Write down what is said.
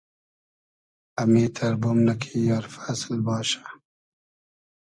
امیتئر بومنۂ کی آر فئسل باشہ